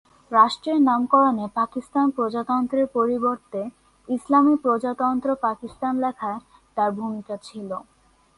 রাষ্ট্রের নামকরণে পাকিস্তান প্রজাতন্ত্রের পরিবর্তে 'ইসলামী প্রজাতন্ত্র পাকিস্তান' লেখায় তার ভূমিকা ছিল।